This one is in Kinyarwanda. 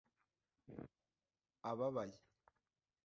ababaye